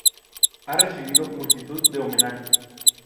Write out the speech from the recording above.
Ha recibo multitud de homenajes.